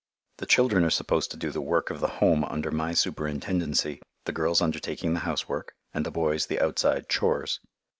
The children are supposed to do the work of the Home under my superintendency, the girls undertaking the housework and the boys the outside "chores."